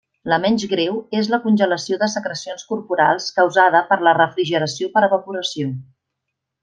La menys greu és la congelació de secrecions corporals causada per la refrigeració per evaporació.